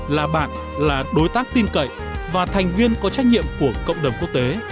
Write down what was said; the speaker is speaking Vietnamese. là bạn là đối tác tin cậy và thành viên có trách nhiệm của cộng đồng quốc tế